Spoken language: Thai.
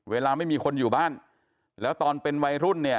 เวลาไม่มีคนอยู่บ้านแล้วตอนเป็นวัยรุ่นเนี่ย